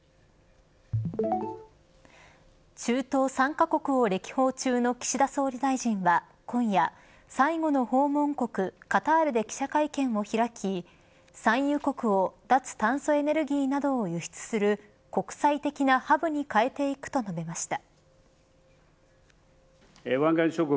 中東３カ国を歴訪中の岸田総理大臣は今夜最後の訪問国カタールで記者会見を開き産油国を脱炭素エネルギーなどを輸出する国際的なハブに変えていくと述べました。